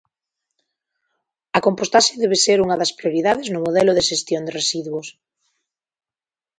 A compostaxe debe ser unha das prioridades no modelo de xestión de residuos.